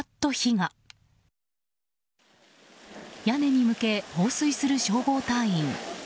屋根に向け、放水する消防隊員。